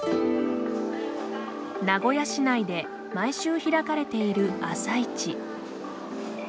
名古屋市内で毎週開かれている朝市。